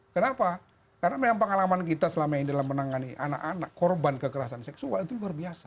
kenapa karena memang pengalaman kita selama ini dalam menangani anak anak korban kekerasan seksual itu luar biasa